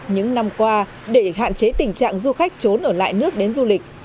những năm qua để hạn chế tình trạng du khách trốn ở lại nước đến du lịch